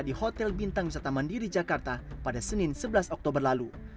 di hotel bintang wisata mandiri jakarta pada senin sebelas oktober lalu